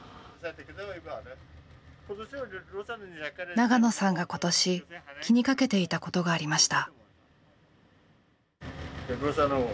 長野さんが今年気にかけていたことがありました。